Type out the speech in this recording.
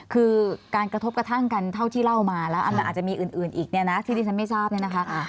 คือการกระทบกระทั่งกันเท่าที่เล่ามาแล้วอาจจะมีอื่นอีกเนี่ยนะที่ที่ฉันไม่ทราบเนี่ยนะคะ